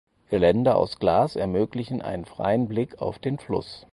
Geländer aus Glas ermöglichen einen freien Blick auf den Fluss.